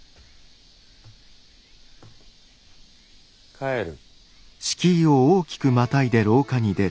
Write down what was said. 帰る。